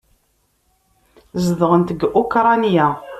Zedɣent deg Ukṛanya.